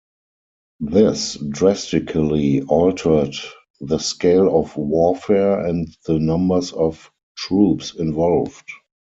This drastically altered the scale of warfare and the numbers of troops involved.